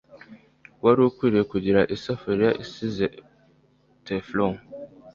Wari ukwiye kugura isafuriya isize Teflon.